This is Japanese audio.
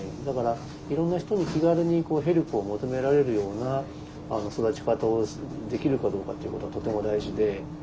だからいろんな人に気軽にヘルプを求められるような育ち方をできるかどうかっていうことはとても大事で。